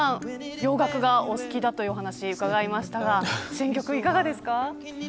洋楽がお好きだという話を伺いましたが選曲はいかがですか。